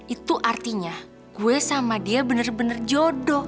itu artinya gue sama dia bener bener jodoh